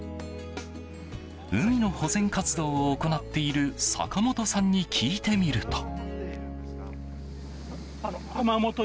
海の保全活動を行っている坂本さんに聞いてみると。